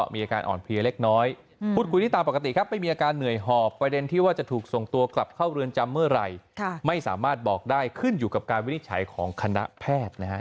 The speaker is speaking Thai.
ไม่สามารถบอกได้ขึ้นอยู่กับการวินิจฉัยของคณะแพทย์นะครับ